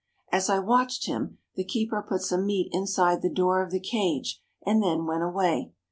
As I watched him, the keeper put some meat inside the door of the cage and then went away.